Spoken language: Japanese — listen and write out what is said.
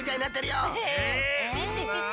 ピチピチ。